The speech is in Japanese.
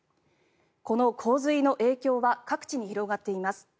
この洪水の影響は各地に広がっています。